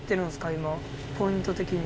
今ポイント的に。